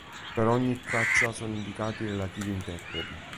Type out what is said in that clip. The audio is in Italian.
Per ogni traccia sono indicati i relativi interpreti.